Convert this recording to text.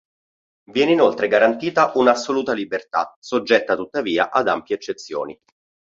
Viene inoltre garantita un'assouta libertà, soggetta tuttavia ad ampie eccezioni.